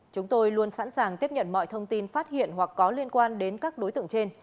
chúng tôi luôn sẵn sàng tiếp nhận mọi thông tin phát hiện hoặc có liên quan đến các đối tượng trên